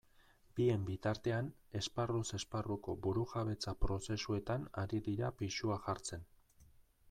Bien bitartean, esparruz esparruko burujabetza prozesuetan ari dira pisua jartzen.